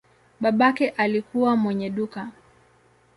Babake alikuwa mwenye duka.